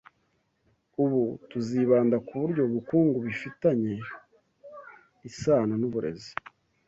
ubu tuzibanda kuburyo ubukungu bufitanye isano nuburezi